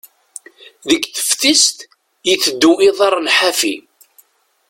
Deg teftist, iteddu iḍarren ḥafi.